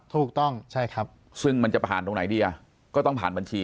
ถูกต้องใช่ครับซึ่งมันจะผ่านตรงไหนดีอ่ะก็ต้องผ่านบัญชี